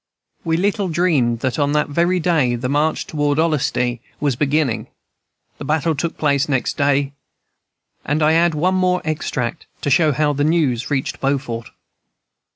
We little dreamed that on that very day the march toward Olustee was beginning. The battle took place next day, and I add one more extract to show how the news reached Beaufort.